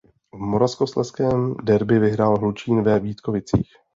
V moravskoslezském derby vyhrál Hlučín ve Vítkovicích.